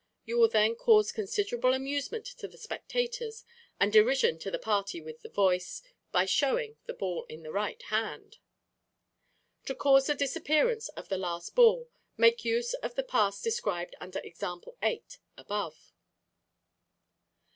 You will then cause considerable amusement to the spectators, and derision on the party with the voice, by showing the ball in the right hand. To cause the disappearance of the last ball, make use of the pass described under Example 8 above.